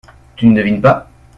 Tu ne devines pas ?